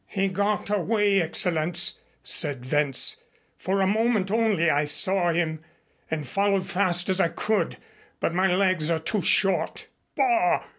"He got away, Excellenz," said Wentz. "For a moment only I saw him, and followed fast as I could, but my legs are too short." "Bah!